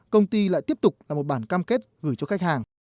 công ty lại tiếp tục là một bản cam kết gửi cho khách hàng